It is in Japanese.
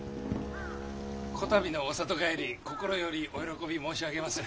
「こたびのお里帰り心よりお喜び申し上げまする」。